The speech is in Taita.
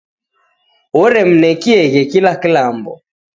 Oremnekieghe kila kilambo